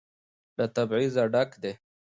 له تبعيضه ډک دى.